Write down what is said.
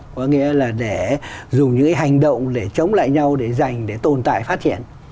có nghĩa là để dùng những hành động để chống lại nhau để giành để tồn tại phát triển